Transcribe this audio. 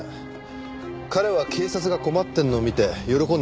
彼は警察が困ってるのを見て喜んでるわけですから。